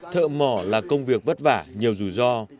thợ mỏ là công việc vất vả nhiều rủi ro